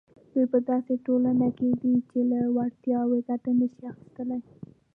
دوی په داسې ټولنه کې دي چې له وړتیاوو ګټه نه شي اخیستلای.